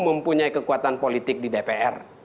mempunyai kekuatan politik di dpr